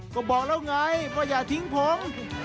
ก็บอกแล้วไงว่าอย่าทิ้งผม